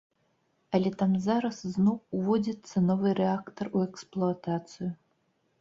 Але там зараз зноў уводзіцца новы рэактар у эксплуатацыю.